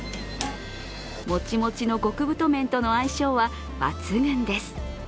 もちもちの極太麺との相性は抜群です。